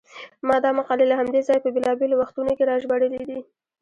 ما دا مقالې له همدې ځایه په بېلابېلو وختونو کې راژباړلې دي.